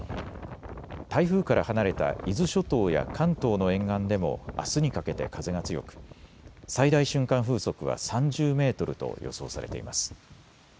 台風から離れた伊豆諸島や関東の沿岸でもあすにかけて風が強く最大瞬間風速は３０メートルと予想されています。